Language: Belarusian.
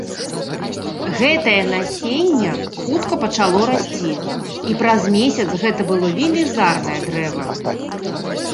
Гэтае насенне хутка пачало расці і праз месяц гэта было велізарнае дрэва.